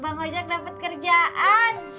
mak bang hojak dapet kerjaan